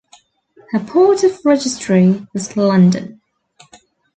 Her port of registry was London.